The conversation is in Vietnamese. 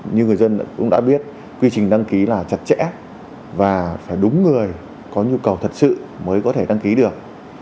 như người dân cũng đã biết quy trình đăng ký là chặt chẽ và phải đúng người có nhu cầu thật sự mới có thể đăng ký được